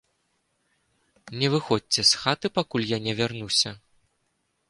Не выходзьце з хаты, пакуль я не вярнуся.